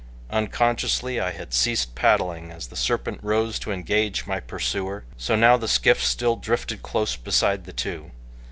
Unconsciously I had ceased paddling as the serpent rose to engage my pursuer, so now the skiff still drifted close beside the two.